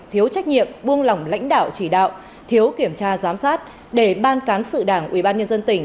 thiếu trách nhiệm buông lỏng lãnh đạo chỉ đạo thiếu kiểm tra giám sát để ban cán sự đảng